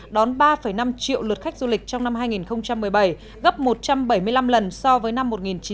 đón ba năm triệu lượt khách du lịch trong năm hai nghìn một mươi bảy gấp một trăm bảy mươi năm lần so với năm một nghìn chín trăm tám mươi